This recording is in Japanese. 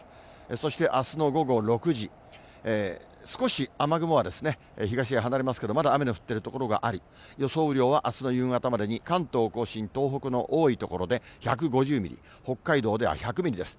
そしてあすの午後６時、少し雨雲は東へ離れますけど、まだ雨の降ってる所があり、予想雨量はあすの夕方までに、関東甲信、東北の多い所で１５０ミリ、北海道では１００ミリです。